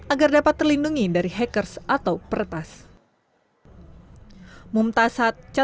agar dapat terlindungi dari hackers atau peretas